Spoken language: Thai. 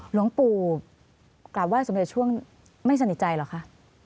หลวงปู่กราบไห้สำเร็จช่วงไม่สนิทใจเหรอคะ